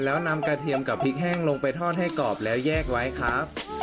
แล้วนำกระเทียมกับพริกแห้งลงไปทอดให้กรอบแล้วแยกไว้ครับ